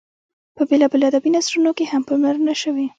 په بېلابېلو ادبي نثرونو کې هم پاملرنه شوې.